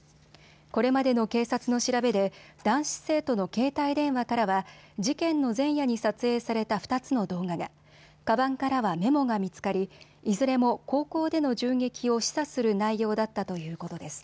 これまでの警察の調べで男子生徒の携帯電話からは事件の前夜に撮影された２つの動画が、かばんからはメモが見つかりいずれも高校での銃撃を示唆する内容だったということです。